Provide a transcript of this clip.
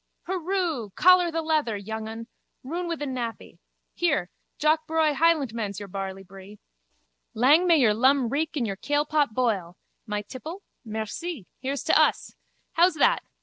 Hurroo! Collar the leather, youngun. Roun wi the nappy. Here, Jock braw Hielentman's your barleybree. Lang may your lum reek and your kailpot boil! My tipple. Merci. Here's to us. How's that?